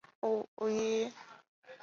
上海中山公园位于上海长宁区市中心。